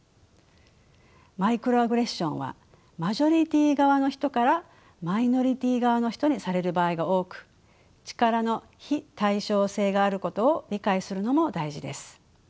マイクロアグレッションはマジョリティー側の人からマイノリティー側の人にされる場合が多く力の非対称性があることを理解するのも大事です。